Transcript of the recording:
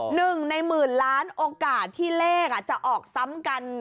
หนึ่งในหมื่นล้านโอกาสที่เลขจะออกซ้ำกัน